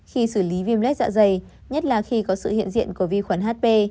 khi xử lý viêm lết dạ dày nhất là khi có sự hiện diện của vi khuẩn hp